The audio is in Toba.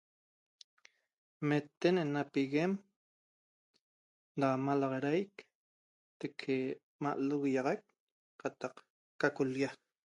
Ñemeten ne'ena piguem da malaxadaic que' maiche lo'ýaxac qataq qaica ca lýa